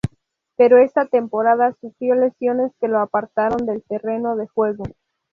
Pero esta temporada sufrió lesiones que lo apartaron del terreno de juego.